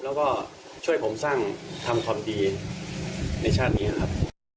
แล้วก็ช่วยผมสร้างทำความดีในชาตินี้ครับ